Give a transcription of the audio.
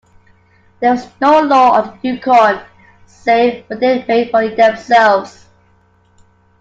There was no law on the Yukon save what they made for themselves.